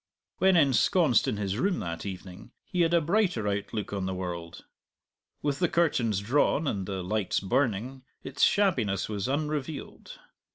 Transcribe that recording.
When ensconced in his room that evening he had a brighter outlook on the world. With the curtains drawn, and the lights burning, its shabbiness was unrevealed.